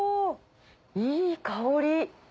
いい香り。